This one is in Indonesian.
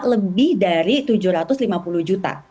lebih dari tujuh ratus lima puluh juta